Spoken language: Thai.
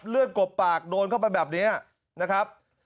กบปากโดนเข้าไปแบบนี้นะครับ